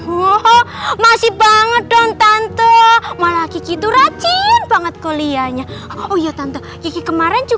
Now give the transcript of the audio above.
wow masih banget dong tante malah gitu rajin banget kuliahnya oh ya tante kemarin